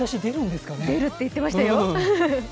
出るって言ってましたよ。